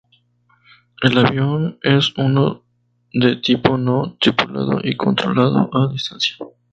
El avión es uno de tipo no tripulado y controlado a distancia.